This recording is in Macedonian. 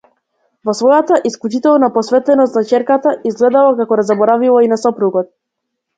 Во својата исклучителна посветеност на ќерката изгледало како да заборавила и на сопругот.